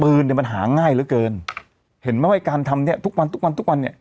เนี่ยมันหาง่ายเหลือเกินเห็นไหมว่าการทำเนี้ยทุกวันทุกวันทุกวันทุกวันเนี่ย